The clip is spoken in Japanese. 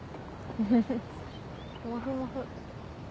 フフフもふもふ。